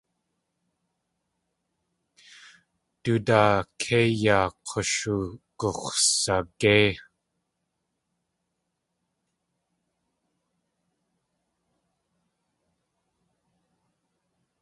Du daa kei yaa k̲ushugux̲sagéi.